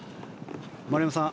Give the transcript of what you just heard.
丸山さん